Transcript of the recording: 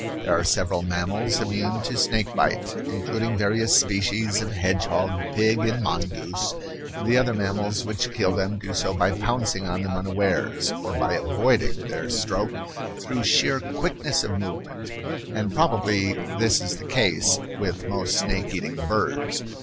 There are several mammals immune to snake bite, including various species of hedgehog, pig, and mongoose the other mammals which kill them do so by pouncing on them unawares or by avoiding their stroke through sheer quickness of movement; and probably this is the case with most snake eating birds.